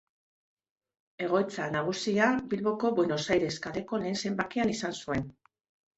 Egoitza nagusia Bilboko Buenos Aires kaleko lehen zenbakian izan zuen.